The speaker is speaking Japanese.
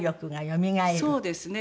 そうですね。